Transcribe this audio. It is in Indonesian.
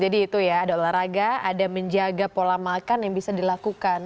jadi itu ya ada olahraga ada menjaga pola makan yang bisa dilakukan